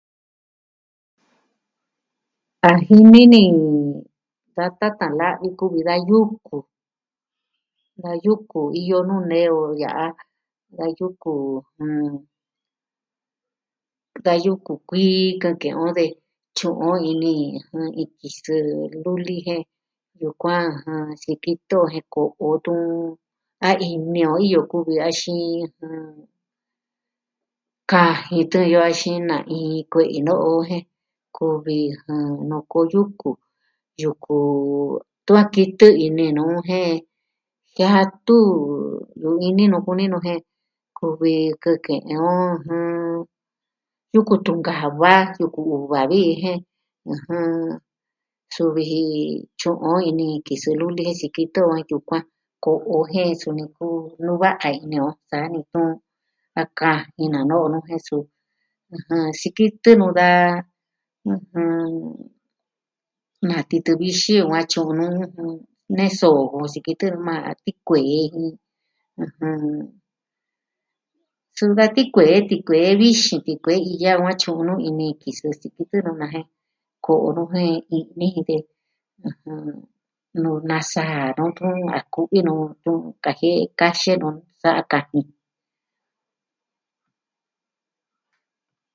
A jini ni da tatan la'vi, kuvi da yuku. Da yuku iyo nuu nee o ya'a. Da yuku, jɨn... da yuku kuii kɨ'ɨn ke'en o de, tyu'un on ini iin kisɨ luli jen... yukuan, sikitɨ o jen ko'o o detun... a ini o iyo ku'vi o axin... kajin tɨɨn yo axin na'in kue'i no'o jen, kuvi nuku o yuku, yuku... tun a kitɨ ini nu jen jiatu, yu'u ini nu kuni nu jen, kuvi kɨnke'en o jen... yuku tunkaa ja va, yuku uva vi jen, ɨjɨn... suvi ji, tyu'un on ini iin kisɨ luli je sikitɨ jen yukuan, ko'o o jen suni kuu nuu va'a ini o. Saa ni tun, a kajin na no'o nu jen suu. ijɨn... sikitɨ nu da... ɨjɨn... na titɨ vixin yukuan tyu'un on nu... nee soo jo sikitɨ nuu maa ja, a tikuee... ɨjɨn... suu da tikuee, tikuee vixin, tikuee i'ya va tyu'un nu ini kisɨ, sikitɨ nu na jen, ko'o nu jen, i'ni jin de. Nuu nasaa nu tuun a kuvi nu tun kajie'e kaxe nu, sa'a kajin.